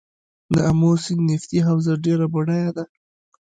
د امو سیند نفتي حوزه ډیره بډایه ده.